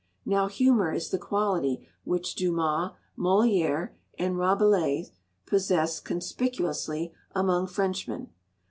Now humour is the quality which Dumas, Molière, and Rabelais possess conspicuously among Frenchmen.